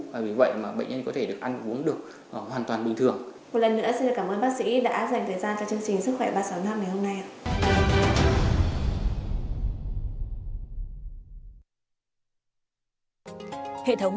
và vì vậy mà bệnh nhân có thể được ăn uống được hoàn toàn bình thường